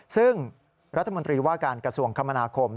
ซึ่งรัฐมนตรีว่าการกระทรวงคมนาคม